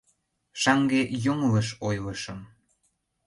Шаҥге йоҥылыш ойлышым.